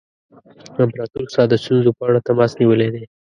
امپراطور ستا د ستونزو په اړه تماس نیولی دی.